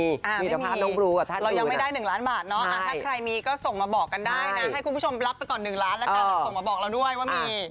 ไม่มีเรายังไม่ได้๑ล้านบาทเนาะถ้าใครมีก็ส่งมาบอกกันได้นะให้คุณผู้ชมรับไปก่อน๑ล้านแล้วกันแล้วส่งมาบอกเราด้วยว่ามี